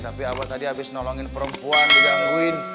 tapi awal tadi habis nolongin perempuan digangguin